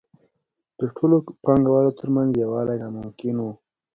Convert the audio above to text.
د ټولو پانګوالو ترمنځ یووالی ناممکن وو